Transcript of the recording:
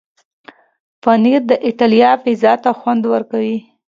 پنېر د ایټالیا پیزا ته خوند ورکوي.